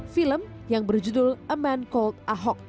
film yang berjudul a man cold ahok